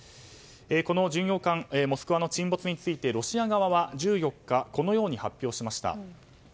この巡洋艦「モスクワ」の沈没についてロシア側は１４日このように発表しました。